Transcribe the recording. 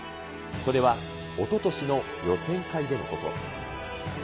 それは、おととしの予選会でのこと。